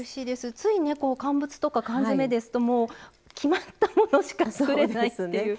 つい乾物とか缶詰ですと決まったものしか作れないっていう。